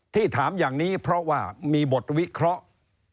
ถามอย่างนี้เพราะว่ามีบทวิเคราะห์